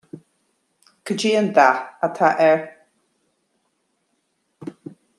Cad é an dath atá air